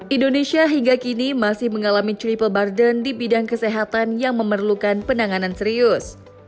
indonesia hingga kini masih mengalami triple burden di bidang kesehatan yang memerlukan penanganan serius